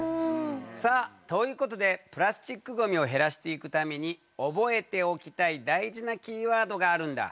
さあということでプラスチックごみを減らしていくために覚えておきたい大事なキーワードがあるんだ。